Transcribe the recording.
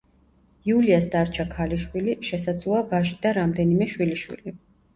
იულიას დარჩა ქალიშვილი, შესაძლოა, ვაჟი და რამდენიმე შვილიშვილი.